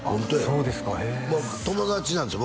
そうですかへえ友達なんですよ